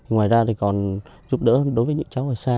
ngoài ra thì còn giúp đỡ đối với những cháu ở xa